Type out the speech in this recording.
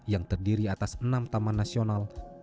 yang terdiri atas enam taman nasional